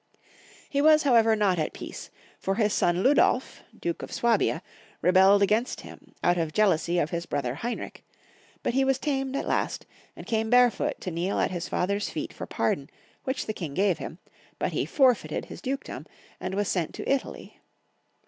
He was, however, not at peace, for his son Otto J., the Cheat. 91 Ludolf, Duke of Swabia, rebelled against him, out of jealousy of his brother Heinrich ; but he was tamed at last, and came barefoot to kneel at his father's feet for pardon, which the King gave him, but he forfeited his dukedom, and was sent to Italy.